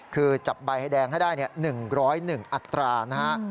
คือจับใบให้แดงให้ได้๑๐๑อัตรานะฮะ